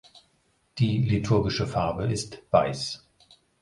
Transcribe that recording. Die liturgische Farbe ist Weiß.